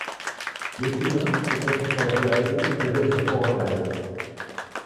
L'écrivain se confessant peu à peu révèle son for intérieur.